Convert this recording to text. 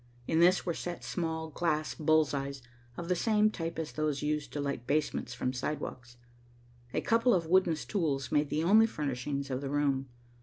In this were set small glass bull's eyes, of the same type as those used to light basements from sidewalks. A couple of wooden stools made the only furnishings of the room.